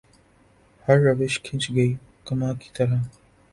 ہر روش کھنچ گئی کماں کی طرح